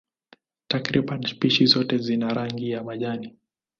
Takriban spishi zote zina rangi ya majani.